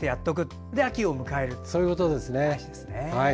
そして秋を迎えるということですね。